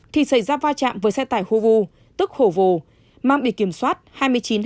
thì xảy ra va chạm với xe tải hồ vô tức hồ vô mang bị kiểm soát hai mươi chín h một mươi một nghìn tám trăm sáu mươi hai